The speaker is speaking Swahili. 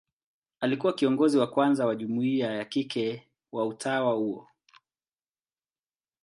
Alikuwa kiongozi wa kwanza wa jumuia ya kike wa utawa huo.